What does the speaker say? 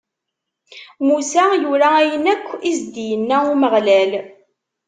Musa yura ayen akk i s-d-inna Umeɣlal.